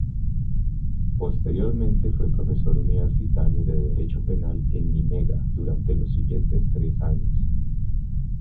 Posteriormente fue profesor universitario de derecho penal en Nimega durante los siguientes tres años.